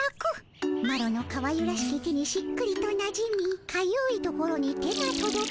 マロのかわゆらしき手にしっくりとなじみかゆい所に手がとどき。